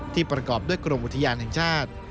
ที่ประกอบด้วยกรมวิทยาลัยแห่งชาติ